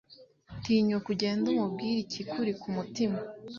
Tinyuka ugende umubwira ikikuri ku mutima